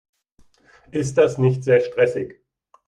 Ist das nicht sehr stressig?